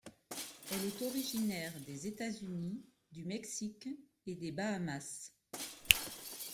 Elle est originaire des États-Unis, du Mexique et des Bahamas.